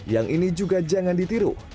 yang ini juga jangan ditiru